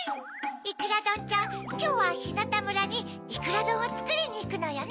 いくらどんちゃんきょうはひなたむらにいくらどんをつくりにいくのよね？